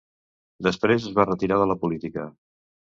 Després es va retirar de la política.